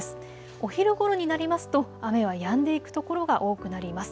お昼ごろになりますと雨はやんでいく所が多くなります。